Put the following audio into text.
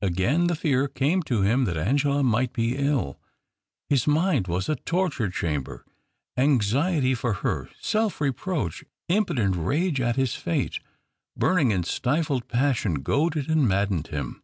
Again the fear came to him that Angela might be ill. His mind was a torture chamber. Anxiety for her, self reproach, impotent rage at his fate, burning and stifled passion goaded and maddened him.